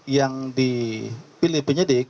yang dipilih penyidik